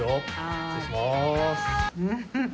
失礼します。